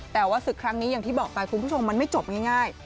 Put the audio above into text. แต่ว่าศึกครั้งนี้อย่างที่บอกไปคุณผู้ชมมันไม่จบง่าย